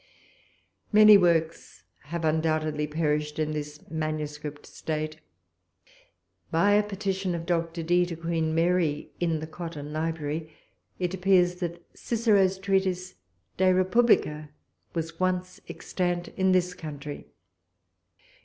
Many works have undoubtedly perished in this manuscript state. By a petition of Dr. Dee to Queen Mary, in the Cotton library, it appears that Cicero's treatise De Republicâ was once extant in this country.